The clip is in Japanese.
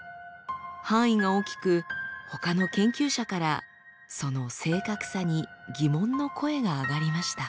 範囲が大きくほかの研究者からその正確さに疑問の声が上がりました。